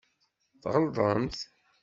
Tɣelḍemt.